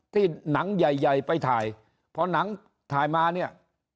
ที่หนังใหญ่ไปถ่ายค่อยถ่ายมาเนี่ย